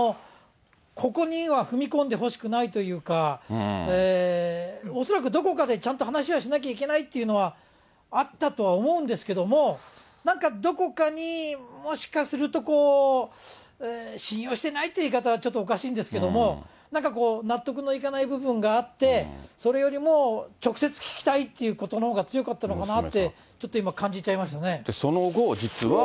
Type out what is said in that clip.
ここには踏み込んでほしくないというか、恐らくどこかでちゃんと話はしなきゃいけないというのはあったとは思うんですけど、なんかどこかに、もしかすると信用してないっていう言い方はちょっとおかしいんですけども、なんかこう、納得のいかない部分があって、それよりも直接聞きたいということのほうが強かったのかなって、その後、実は。